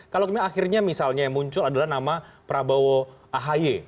kalau akhirnya misalnya muncul adalah nama prabowo ahj